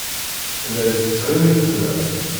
Llant ttɣimint da.